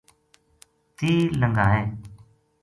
تیر لنگھا ئے